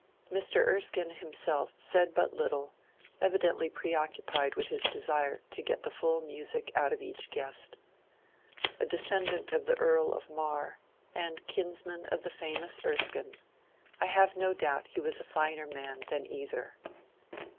Mr. Erskine himself said but little, evidently preoccupied A GRAND CONVERSATION 105 with his desire to get the full music out of each guest. A de scendant of the Earl of Mar, and kinsman of the famous Erskine, I have no doubt he was a finer man than either.